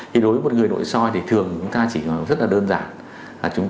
thì đối với một người nội soi thì thường chúng ta chỉ rất là đơn giản